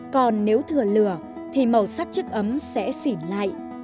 còn nếu thừa lửa thì màu sắc chiếc ấm sẽ xỉn lại